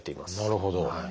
なるほど。